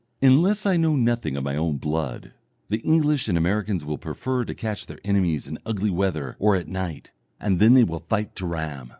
Unless I know nothing of my own blood, the English and Americans will prefer to catch their enemies in ugly weather or at night, and then they will fight to ram.